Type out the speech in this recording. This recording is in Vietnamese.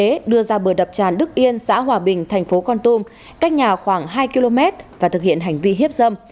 bộ y đưa ra bờ đập tràn đức yên xã hòa bình thành phố con tum cách nhà khoảng hai km và thực hiện hành vi hiếp dâm